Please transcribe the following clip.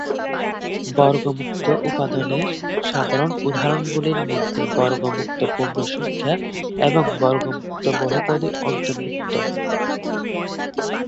বর্গ-মুক্ত উপাদানের সাধারণ উদাহরণগুলির মধ্যে বর্গ-মুক্ত পূর্ণসংখ্যা এবং বর্গ-মুক্ত বহুপদী অন্তর্ভুক্ত।